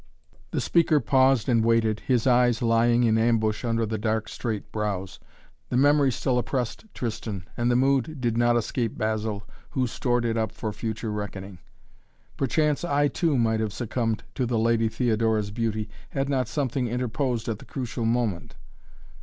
The speaker paused and waited, his eyes lying in ambush under the dark straight brows. The memory still oppressed Tristan and the mood did not escape Basil, who stored it up for future reckoning. "Perchance I, too, might have succumbed to the Lady Theodora's beauty, had not something interposed at the crucial moment."